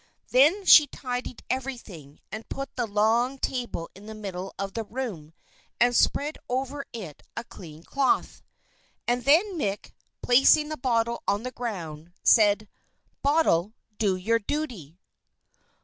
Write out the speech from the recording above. Then she tidied everything, and put the long table in the middle of the room, and spread over it a clean cloth. And then Mick, placing the bottle on the ground, said: "Bottle, do your duty!"